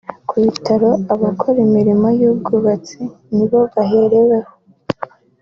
Ku ikubitiro abakora imirimo y’ubwubatsi ni bo bahereweho